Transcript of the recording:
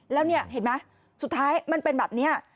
แล้วเนี่ยเห็นไหมสุดท้ายมันเป็นแบบนี้